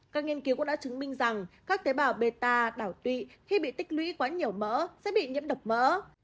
các nghiên cứu cũng đã chứng minh rằng các tế bào bea đảo tụy khi bị tích lũy quá nhiều mỡ sẽ bị nhiễm độc mỡ